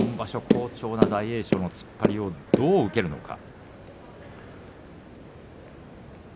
好調な大栄翔の突っ張りをどう受けるのか。